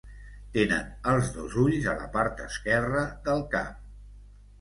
Tenen els dos ulls a la part esquerra del cap.